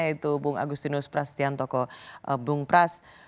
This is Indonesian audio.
yaitu bung agustinus prasetyantoko bung pras